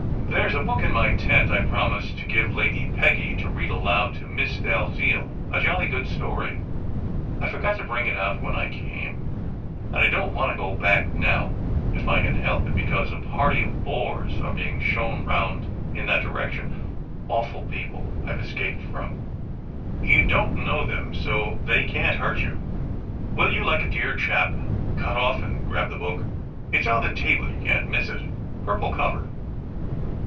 "There s a book in my tent I promised to give Lady Peggy, to read aloud to Miss Dalziel a jolly good story ! I forgot to bring it out when I came, and I don t want to go back now if I can help it, because a 101 SECRET HISTORY party of bores are being shown round in that direction, awful people I ve escaped from. You don t know them, so they can t hurt you. Will you, like a dear chap, cut off and grab the book? It s on the table; you can t miss it; purple cover."